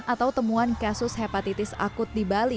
atau temuan kasus hepatitis akut